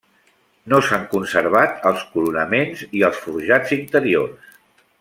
No s'han conservat els coronaments i els forjats interiors.